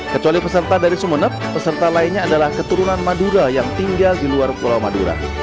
kecuali peserta dari sumeneb peserta lainnya adalah keturunan madura yang tinggal di luar pulau madura